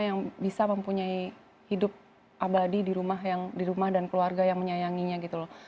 yang bisa mempunyai hidup abadi di rumah dan keluarga yang menyayanginya gitu loh